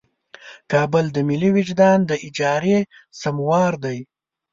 کابل د ملي وجدان د اجارې سموار دی.